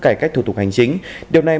cải cách thủ tục hành chính điều này